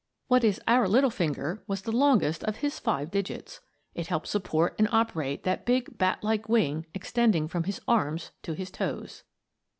What is our little finger was the longest of his five digits. It helped support and operate that big bat like wing extending from his arms to his toes.